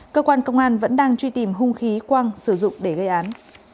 cơ quan công an vẫn đang truy tìm hung khí quang sử dụng để gây án